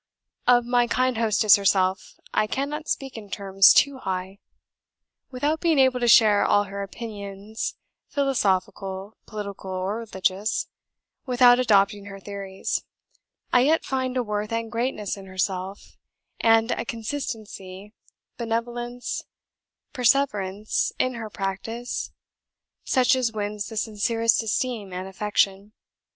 Of my kind hostess herself, I cannot speak in terms too high. Without being able to share all her opinions, philosophical, political, or religious, without adopting her theories, I yet find a worth and greatness in herself, and a consistency, benevolence, perseverance in her practice, such as wins the sincerest esteem and affection.